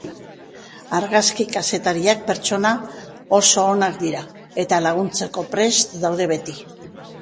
Argazki-kazetariak pertsona oso onak dira, eta laguntzeko prest daude beti.